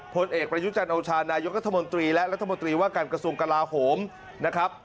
ผลเอกประยุจันทร์โอชานายกรัฐมนตรีและรัฐมนตรีว่าการกระทรวงกลาโหมนะครับ